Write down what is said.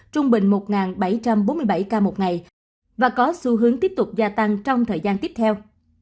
trung bình một bảy trăm bốn mươi bảy ca một ngày và có xu hướng tiếp tục gia tăng trong thời gian tiếp theo